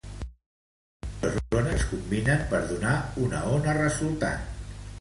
Les dos ones es combinen per donar una ona resultant.